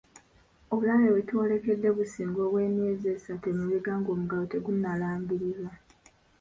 Obulabe bwe twolekedde businga obwe emyezi esatu emabega ng'omuggalo tegunnalangirirwa.